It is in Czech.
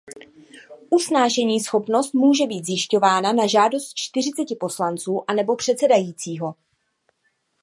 Usnášeníschopnost může být zjišťována na žádost čtyřiceti poslanců anebo předsedajícího.